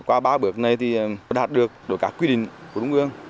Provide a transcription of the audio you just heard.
qua ba bước này thì đạt được các quy định của trung ương